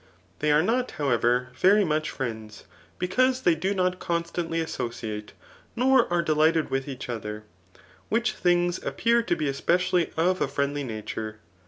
They are not, however, very much friends, because they do not constantly associate, nor are delighted with each other ; which things appear to be especially of a friendly nature.